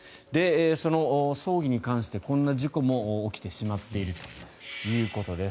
その葬儀に関してこんな事故も起きてしまっているということです。